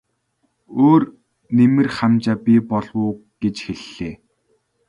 Өөр нэмэр хамжаа бий болов уу гэж хэллээ.